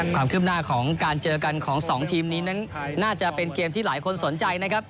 ความคืบหน้าของการเจอกันของสองทีมนี้นั้นน่าจะเป็นเกมที่หลายคนสนใจนะครับ